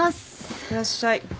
いってらっしゃい。